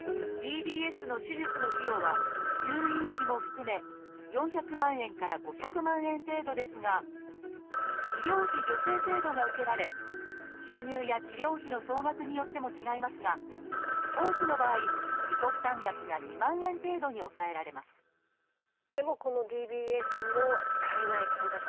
ＤＢＳの手術の費用は入院費も含め４００万円から５００万円程度ですが医療費助成制度が受けられ収入や治療費の総額によっても違いますが多くの場合自己負担額が２万円程度に抑えられますでもこのＤＢＳも使えない患者さんというのもいらっしゃいます。